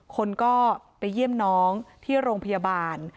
คนก็ไปเยี่ยมน้องที่โรงพยาบาล